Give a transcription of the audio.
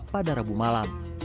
pada rabu malam